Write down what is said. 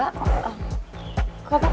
aduh aku mau pulang